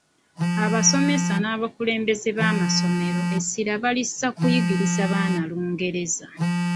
Abasomesa n’abakulembeze b’amasomero essira balissa ku kuyigiriza baana Lungereza.